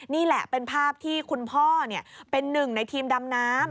นี่แหละเป็นภาพที่คุณพ่อเป็นหนึ่งในทีมดำน้ำ